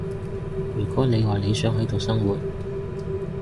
如果你話你想喺度生活